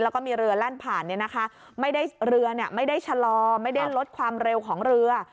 แล้วก็มีเรือแล่นผ่านเรือไม่ได้ชะลอไม่ได้ลดความเร็วของเรือ